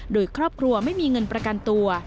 โดยครอบครัวไม่มีเงินประกันตัว